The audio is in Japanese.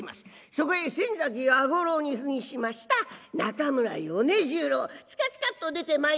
そこへ千崎弥五郎に扮しました中村米十郎つかつかっと出てまいります。